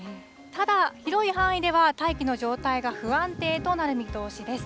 ただ、広い範囲では大気の状態が不安定となる見通しです。